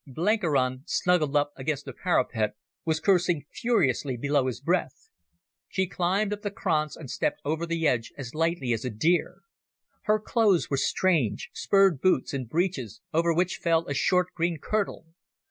Blenkiron, snuggled up against the parapet, was cursing furiously below his breath. She climbed up the kranz and stepped over the edge as lightly as a deer. Her clothes were strange—spurred boots and breeches over which fell a short green kirtle.